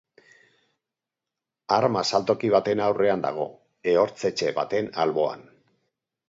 Arma saltoki baten aurrean dago, ehorztetxe baten alboan.